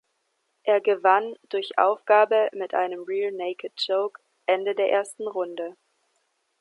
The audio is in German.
Er gewann durch Aufgabe mit einem Rear Naked Choke Ende der ersten Runde.